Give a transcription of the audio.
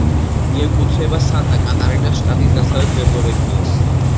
მიეკუთვნება სანტა-კატარინას შტატის დასავლეთ მეზორეგიონს.